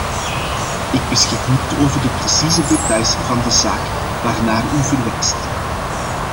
Ik beschik niet over de precieze details van de zaak waarnaar u verwijst.